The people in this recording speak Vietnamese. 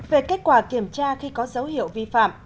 về kết quả kiểm tra khi có dấu hiệu vi phạm